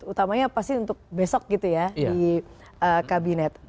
utamanya pasti untuk besok gitu ya di kabinet